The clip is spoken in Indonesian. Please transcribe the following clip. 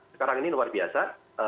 sekarang ini luar biasa